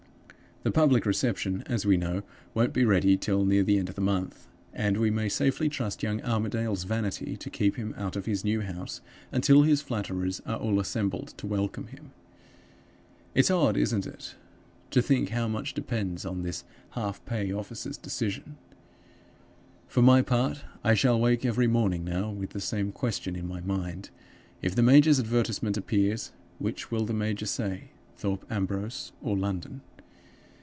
The public reception, as we know, won't be ready till near the end of the month; and we may safely trust young Armadale's vanity to keep him out of his new house until his flatterers are all assembled to welcome him. "It's odd, isn't it, to think how much depends on this half pay officer's decision? For my part, I shall wake every morning now with the same question in my mind: If the major's advertisment appears, which will the major say Thorpe Ambrose, or London?